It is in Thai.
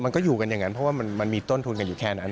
มันก็อยู่กันอย่างนั้นเพราะว่ามันมีต้นทุนกันอยู่แค่นั้น